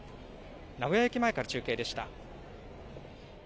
名古屋駅前から中継でした。